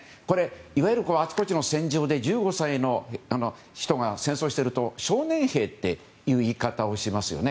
いわゆる、あちこちの戦場で１５歳の人が戦争してると少年兵っていう言い方をしますよね。